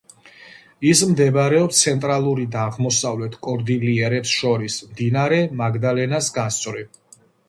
ის მდებარეობს ცენტრალური და აღმოსავლეთ კორდილიერებს შორის, მდინარე მაგდალენას გასწვრივ.